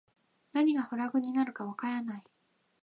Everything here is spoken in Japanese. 何がフラグになるかわからない